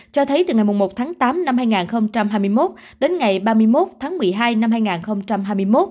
cho thấy từ ngày một tháng tám năm hai nghìn hai mươi một đến ngày ba mươi một tháng một mươi hai năm hai nghìn hai mươi một